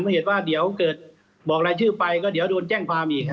เพราะเหตุว่าเดี๋ยวเกิดบอกรายชื่อไปก็เดี๋ยวโดนแจ้งความอีก